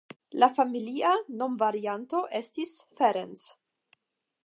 Lia familia nomvarianto estis "Ferenc".